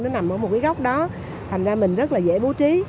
nó nằm ở một cái góc đó thành ra mình rất là dễ bố trí